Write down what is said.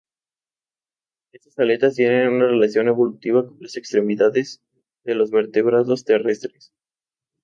Esas aletas tienen una relación evolutiva con las extremidades de los vertebrados terrestres.